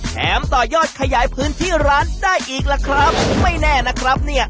ต่อยอดขยายพื้นที่ร้านได้อีกล่ะครับไม่แน่นะครับเนี่ย